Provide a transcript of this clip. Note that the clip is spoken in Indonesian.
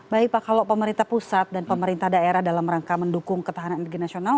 baik pak kalau pemerintah pusat dan pemerintah daerah dalam rangka mendukung ketahanan energi nasional